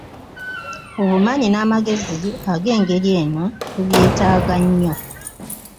Obumanyi n’amagezi ag’engeri eno tubyetaaga nnyo.